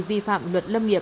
vi phạm luật lâm nghiệp